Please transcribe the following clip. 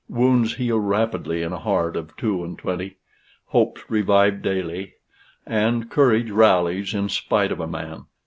Wounds heal rapidly in a heart of two and twenty; hopes revive daily; and courage rallies in spite of a man.